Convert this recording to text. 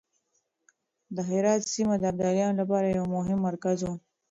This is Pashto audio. د هرات سيمه د ابدالیانو لپاره يو مهم مرکز و.